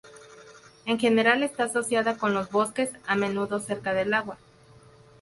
En general, está asociada con los bosques, a menudo cerca del agua.